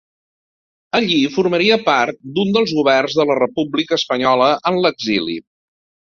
Allí formaria part d'un dels governs de la República espanyola en l'exili.